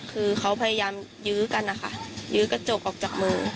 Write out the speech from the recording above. คือเขาพยายามยื้อกันนะคะยื้อกระจกออกจากมือ